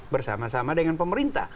bersama sama dengan pemerintah